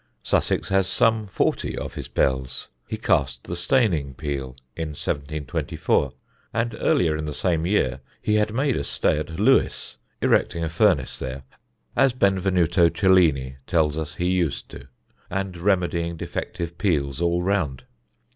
Sussex has some forty of his bells. He cast the Steyning peal in 1724, and earlier in the same year he had made a stay at Lewes, erecting a furnace there, as Benvenuto Cellini tells us he used to do, and remedying defective peals all around.